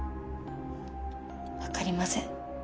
わかりません。